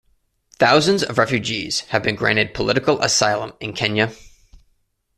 Thousands of refugees have been granted political asylum in Kenya.